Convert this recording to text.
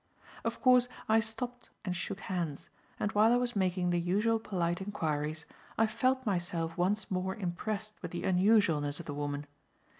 Of course, I stopped and shook hands, and while I was making the usual polite enquiries, I felt myself once more impressed with the unusualness of the woman.